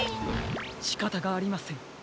しかたがありません。